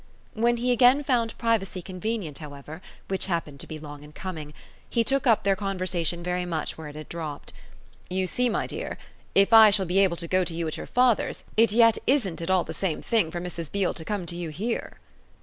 When he again found privacy convenient, however which happened to be long in coming he took up their conversation very much where it had dropped. "You see, my dear, if I shall be able to go to you at your father's it yet isn't at all the same thing for Mrs. Beale to come to you here."